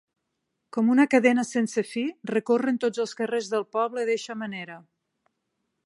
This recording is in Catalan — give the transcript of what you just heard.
Com una cadena sense fi, recorren tots els carrers del poble d’eixa manera.